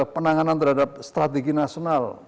penanganan terhadap strategi nasional